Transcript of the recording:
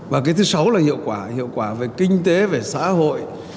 và cái thứ sáu là hiệu quả hiệu quả về kinh tế về xã hội